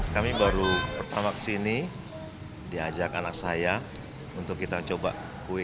kami baru pertama kesini diajak anak saya untuk kita coba kue